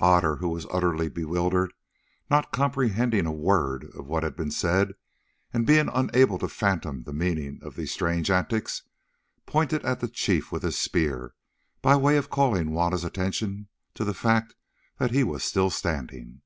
Otter, who was utterly bewildered, not comprehending a word of what had been said, and being unable to fathom the meaning of these strange antics, pointed at the chief with his spear by way of calling Juanna's attention to the fact that he was still standing.